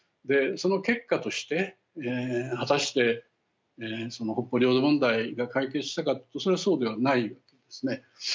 その結果として果たして、その北方領土問題が解決したかというとそれはそうではないんですね。